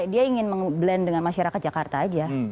dia ingin meng blend dengan masyarakat jakarta aja